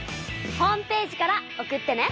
ホームページから送ってね！